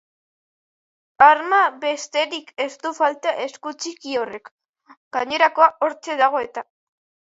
Arma besterik ez du falta esku txiki horrek, gainerakoa hortxe dago eta.